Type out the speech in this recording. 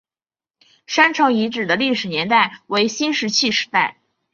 山城遗址的历史年代为新石器时代。